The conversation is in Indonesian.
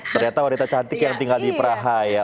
ternyata wanita cantik yang tinggal di praha ya